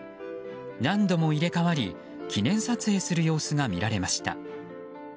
何度も入れ替わり記念撮影する様子が見られました。